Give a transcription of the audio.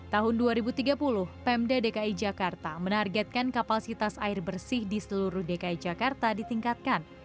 tahun dua ribu tiga puluh pemda dki jakarta menargetkan kapasitas air bersih di seluruh dki jakarta ditingkatkan